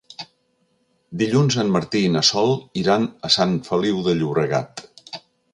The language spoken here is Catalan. Dilluns en Martí i na Sol iran a Sant Feliu de Llobregat.